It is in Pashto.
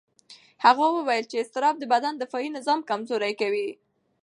هغه وویل چې اضطراب د بدن دفاعي نظام کمزوري کوي.